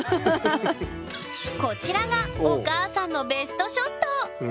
こちらがお母さんのベストショット